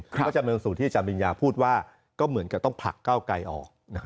ก็จะเป็นสูตรที่อาจารย์บริญญาพูดว่าก็เหมือนกับต้องผลักก้าวไกลออก